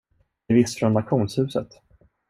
Det är visst från auktionshuset.